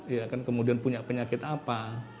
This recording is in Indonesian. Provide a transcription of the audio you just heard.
ya kan kemudian punya penyakit apa